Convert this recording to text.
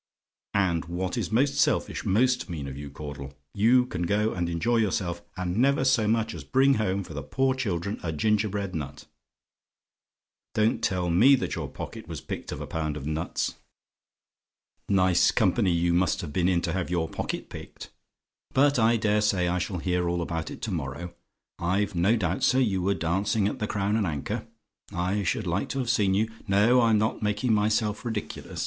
"And what is most selfish most mean of you, Caudle you can go and enjoy yourself, and never so much as bring home for the poor children a gingerbread nut. Don't tell me that your pocket was picked of a pound of nuts! Nice company you must have been in to have your pocket picked. "But I daresay I shall hear all about it to morrow. I've no doubt, sir, you were dancing at the Crown and Anchor. I should like to have seen you. No: I'm not making myself ridiculous.